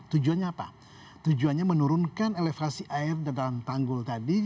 tujuannya apa tujuannya menurunkan elevasi air di dalam tanggul tadi